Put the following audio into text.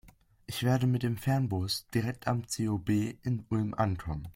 Ich werde mit dem Fernbus direkt am ZOB in Ulm ankommen.